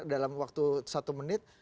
dalam waktu satu menit